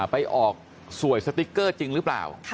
ไปออกสวยสติ๊กเกอร์จริงหรือเปล่า